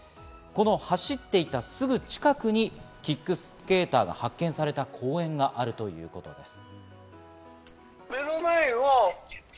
この走っていったすぐ近くにキックスケーターが発見された公園があるということです。